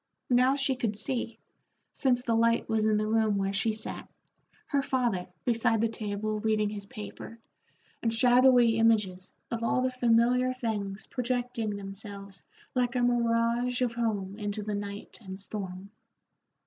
Now she could see, since the light was in the room where she sat, her father beside the table reading his paper, and shadowy images of all the familiar things projecting themselves like a mirage of home into the night and storm.